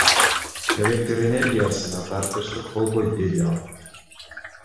Электр энергиясына тартыштык болбойт, — деди ал.